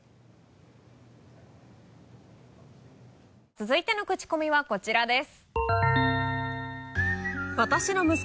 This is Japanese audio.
続いてのクチコミはこちらです。